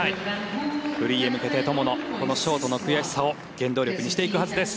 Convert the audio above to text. フリーへ向けて、友野ショートの悔しさを原動力にしていくはずです。